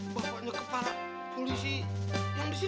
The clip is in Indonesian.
bapaknya kepala polisi yang disini